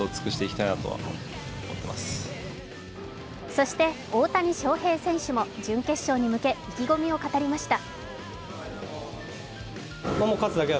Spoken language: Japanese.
そして、大谷翔平選手も準決勝に向け意気込みを語りました。